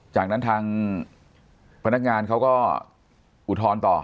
จากนั้นทางพนักงานเขาก็อุทธรณ์ต่อ